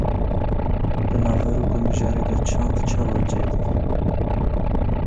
Di naverok û mijarê de çand çawa cih digire?